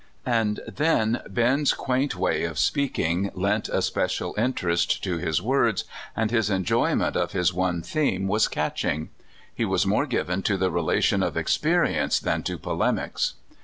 And then Ben's quaint way of speaking lent a special interest to his words, and his enjoyment of his one theme was catching. He was more given to the relation of experience than to polemics.